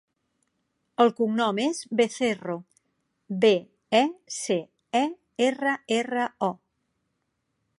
El cognom és Becerro: be, e, ce, e, erra, erra, o.